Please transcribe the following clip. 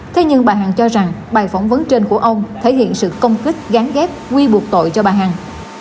thế nhưng bà hằng cho rằng bài phỏng vấn trên của ông thể hiện sự công kích gắn ghép quy buộc tội cho bà hằng